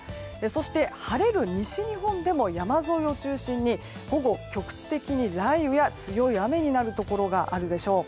そして晴れる西日本でも山沿いを中心に午後、局地的に雷雨や強い雨になるところがあるでしょう。